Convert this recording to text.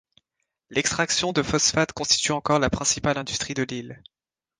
L'extraction de phosphate constitue encore la principale industrie de l'île.